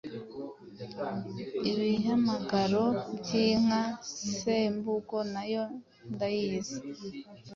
Ibihamagaro by’inka; Sembugo nayo ndayizi,